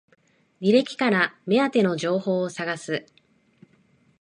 履歴から目当ての情報を探す